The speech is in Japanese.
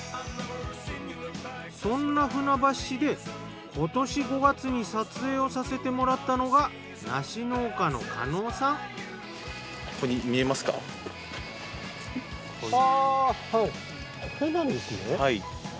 そんな船橋市で今年５月に撮影をさせてもらったのが梨農家の加納さん。ははいこれなんですね。